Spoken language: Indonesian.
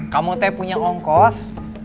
kamu teh punya ongkos